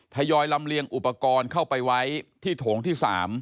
ยอยลำเลียงอุปกรณ์เข้าไปไว้ที่โถงที่๓